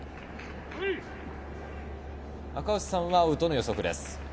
赤星さんはアウトの予測です。